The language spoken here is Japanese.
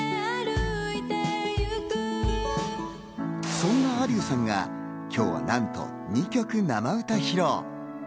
そんなａｄｉｅｕさんが今日はなんと２曲生歌披露！